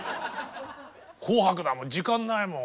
「紅白」だもん時間ないもん。